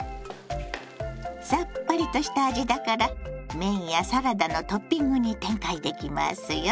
さっぱりとした味だから麺やサラダのトッピングに展開できますよ。